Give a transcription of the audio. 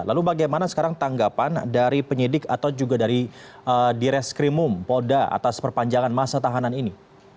lalu bagaimana sekarang tanggapan dari penyidik atau juga dari di reskrimum polda atas perpanjangan masa tahanan ini